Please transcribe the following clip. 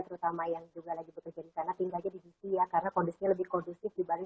terutama yang juga lagi bekerja di sana tinggalnya di gc ya karena kondisinya lebih kondusif dibanding